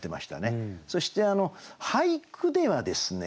そして俳句ではですね